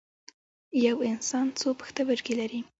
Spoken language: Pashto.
یو انسان څو پښتورګي لري